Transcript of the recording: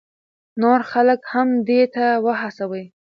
نور خلک هم دې ته وهڅوئ.